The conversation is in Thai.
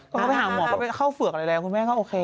ก็เขาไปหาหมอเขาไปเข้าเฝือกอะไรแล้วคุณแม่ก็โอเค